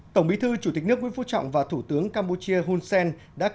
tổng bí thư chủ tịch nước nguyễn phú trọng và thủ tướng campuchia hunsen